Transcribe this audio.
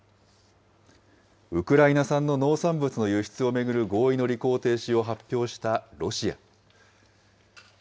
ウクライナ産の農産物の輸出を巡る合意の履行停止を発表したロシア。